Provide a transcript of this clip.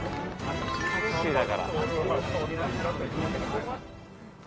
タクシーだから。